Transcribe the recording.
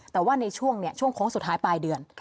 แต่ว่าในช่วงนี้ช่วงของสุดท้ายปลายเดือน